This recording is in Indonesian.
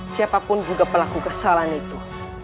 siapapun juga pelaku kesalahan itu